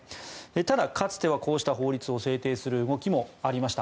ただ、かつてはこうした法律を制定する動きもありました。